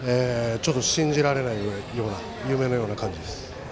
ちょっと信じられないような夢のような感じです。